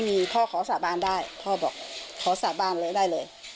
มีพ่อขอสาบานได้พ่อบอกขอสาบานเลยได้เลย